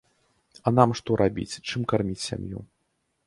А нам што рабіць, чым карміць сям'ю?